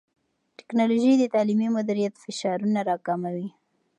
ټیکنالوژي د تعلیمي مدیریت فشارونه راکموي.